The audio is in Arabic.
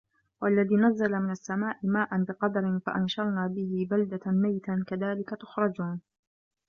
وَالَّذي نَزَّلَ مِنَ السَّماءِ ماءً بِقَدَرٍ فَأَنشَرنا بِهِ بَلدَةً مَيتًا كَذلِكَ تُخرَجونَ